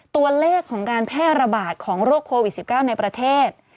ตัวเลขของการแพร่ระบาดของโรคโควิด๑๙ในประเทศ